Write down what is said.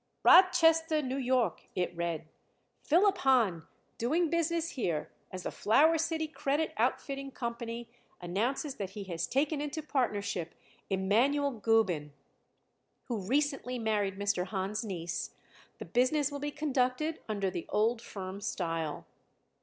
"Rochester, N. Y.," it read. "Philip Hahn, doing business here as the Flower City Credit Outfitting Company, announces that he has taken into partnership Emanuel Gubin, who recently married Mr. Hahn's niece. The business will be conducted under the old firm style."